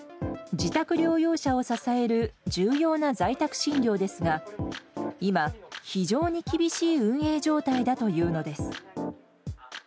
自宅療養者を支える重要な在宅診療ですが、今、非常に厳しい運営状態だというのです。